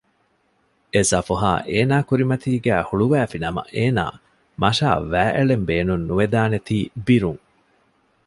އެސަފުހާ އޭނާ ކުރިމަތީގައި ހުޅުވައިފިނަމަ އޭނާ މަށާ ވައިއެޅެން ބޭނުން ނުވެދާނެތީ ބިރުން